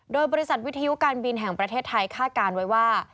โดยบริษัทวิทยุการบินแห่งประเทศไทยคาดการณ์ไว้ว่า